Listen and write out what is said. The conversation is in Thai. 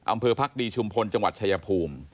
อำเภอภักดีชุมพลจังหวัดชายภูมิ